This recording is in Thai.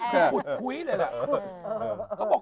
หุดคุ้ยเลยแหละ